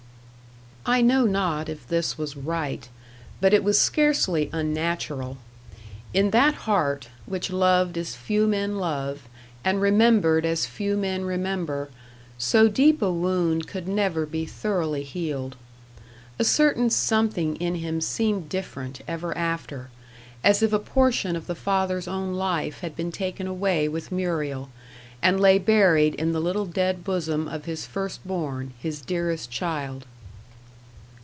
I know not if this was right but it was scarcely unnatural. In that heart, which loved as few men love, and remembered as few men remember, so deep a wound could never be thoroughly healed. A certain something in him seemed different ever after, as if a portion of the father's own life had been taken away with Muriel, and lay buried in the little dead bosom of his first born, his dearest child.